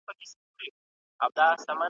د کتاب لوستل انسان ته د ستونزو د حل نوې لارې ور